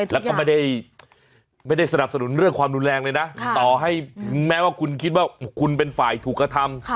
แล้วก็ไม่ได้สนับสนุนเรื่องความรุนแรงเลยนะต่อให้ถึงแม้ว่าคุณคิดว่าคุณเป็นฝ่ายถูกกระทำ